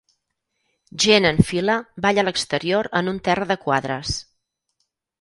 Gent en fila balla a l'exterior en un terra de quadres.